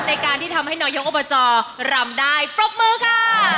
ในการที่ทำให้นายกอบจรำได้ปรบมือค่ะ